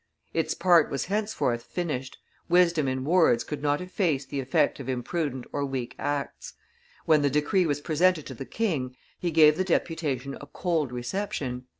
Its part was henceforth finished, wisdom in words could not efface the effect of imprudent or weak acts; when the decree was presented to the king, he gave the deputation a cold reception.